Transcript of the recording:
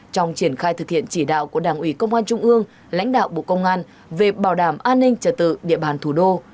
trong triển khai thực hiện chỉ đạo của đảng ủy công an trung ương lãnh đạo bộ công an về bảo đảm an ninh trả tự địa bàn thủ đô